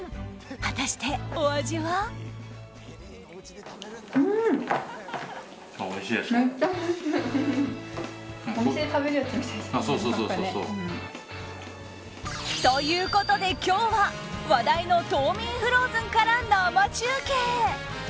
果たして、お味は？ということで今日は、話題のＴＯＭＩＮＦＲＯＺＥＮから生中継。